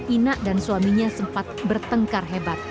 ina dan suaminya sempat bertengkar hebat